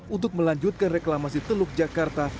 untuk melanjutkan reklamasi teluk jakarta